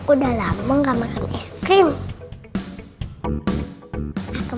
oleh melihat perancitnya